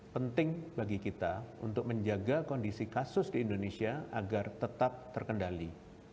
penting bagi kita untuk menjaga kondisi kasus di indonesia agar tetap terkendali